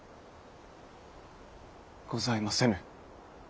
ございませぬ。